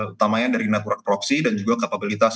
utamanya dari natura korupsi dan juga kapabilitasnya